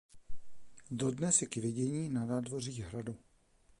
Dodnes je k vidění na nádvoří hradu.